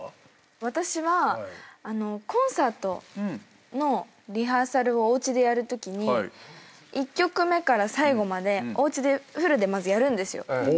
私はコンサートのリハーサルをおうちでやるときに１曲目から最後までおうちでフルでまずやるんですよ。